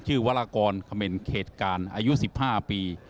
ชื่อวารกรคำเม้นเขตการอายุ๑๕ปี